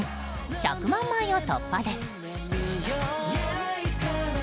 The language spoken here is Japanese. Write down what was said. １００万枚を突破です。